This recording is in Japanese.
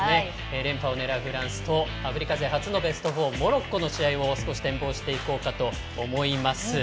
連覇をねらうフランスとアフリカ勢初のベスト４モロッコの試合の展望をしていきます。